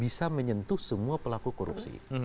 bisa menyentuh semua pelaku korupsi